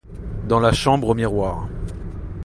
Dans la chambre aux miroirs.